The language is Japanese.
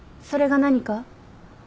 それが何か？